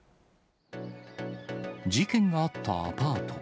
事件があったアパート。